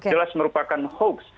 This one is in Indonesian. jelas merupakan hoax